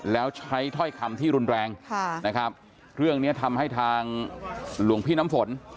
แล้วใช้ถ้อยคำที่รุนแรงนะครับเรื่องนี้ทำให้ทางหลวงพี่น้ำฝน